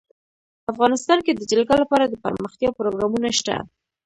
افغانستان کې د جلګه لپاره دپرمختیا پروګرامونه شته.